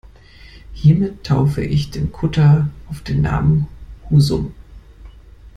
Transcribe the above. Hiermit taufe ich den Kutter auf den Namen Husum.